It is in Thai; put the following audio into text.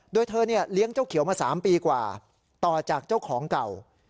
โดยเธอเลี้ยงเจ้าเขียวมา๓ปีกว่าต่อจากเจ้าของเก่า